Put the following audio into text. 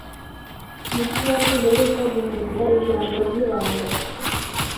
Ni ryari uheruka guhindura ijambo ryibanga?